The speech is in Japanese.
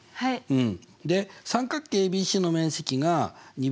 うん。